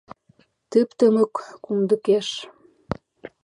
Тып-тымык кумдыкеш.